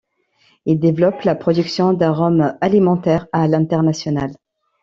Ils développent la production d'arômes alimentaires à l'international.